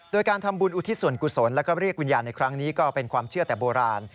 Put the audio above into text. โดยการทำบุญอุทิศส่วนกุศลแล้วก็เรียกวิญญาณในครั้งนี้ก็เป็นความเชื่อแต่โบราณ